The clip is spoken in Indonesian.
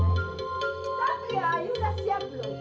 tapi yaa u udah siap belom